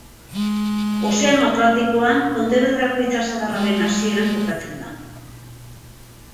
Ozeano Atlantikoan, Pontevedrako itsasadarraren hasieran kokatzen da.